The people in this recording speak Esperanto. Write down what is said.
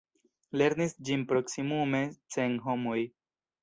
Lernis ĝin proksimume cent homoj.